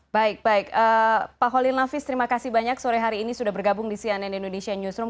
baik baik pak holil nafis terima kasih banyak sore hari ini sudah bergabung di cnn indonesia newsroom